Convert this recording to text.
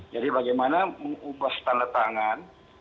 jadi bagaimana mengubah tanda tangan